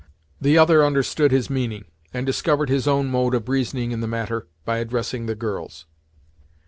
The other understood his meaning, and discovered his own mode of reasoning in the matter, by addressing the girls.